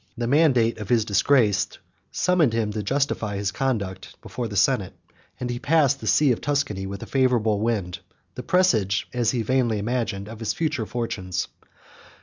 The mandate of his disgrace summoned him to justify his conduct before the senate; and he passed the Sea of Tuscany with a favorable wind, the presage, as he vainly imagined, of his future fortunes.